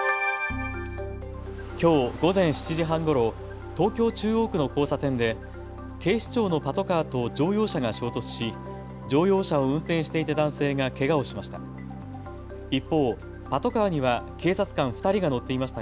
きょう午前７時半ごろ、東京中央区の交差点で警視庁のパトカーと乗用車が衝突し乗用車を運転していた男性がけがをしました。